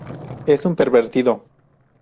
Es un pervertido.